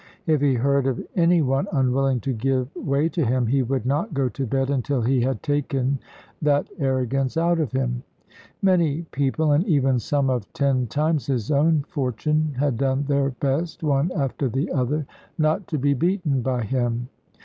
If he heard of any one unwilling to give way to him, he would not go to bed until he had taken that arrogance out of him. Many people, and even some of ten times his own fortune, had done their best, one after the other, not to be beaten by him.